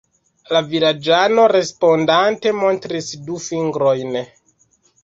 La vilaĝano, respondante, montris du fingrojn.